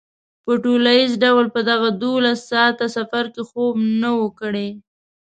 په ټولیز ډول په دغه دولس ساعته سفر کې خوب نه و کړی.